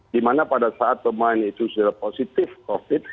dimana pada saat pemain itu sudah positif covid